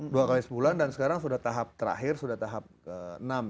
dua kali sebulan dan sekarang sudah tahap terakhir sudah tahap enam